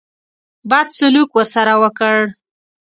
بد سلوک ورسره وکړ.